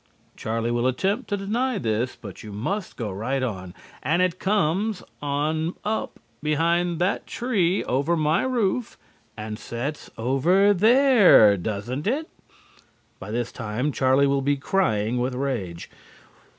(Charlie will attempt to deny this, but you must go right on.) "And it comes on up behind that tree and over my roof and sets over there, doesn't it?" (By this time, Charlie will be crying with rage.)